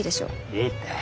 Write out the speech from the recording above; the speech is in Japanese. いいって。